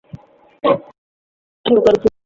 Crash, আমি ভাবতে শুরু করেছি।